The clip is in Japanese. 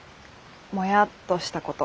モヤっとしたこと。